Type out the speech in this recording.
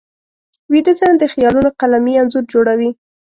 ویده ذهن د خیالونو قلمي انځور جوړوي